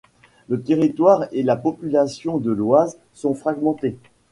Le territoire et la population de l'Oise sont fragmentés.